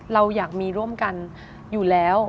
เราอยากมีร่วมกันอยู่แล้ว